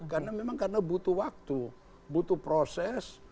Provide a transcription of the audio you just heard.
karena memang karena butuh waktu butuh proses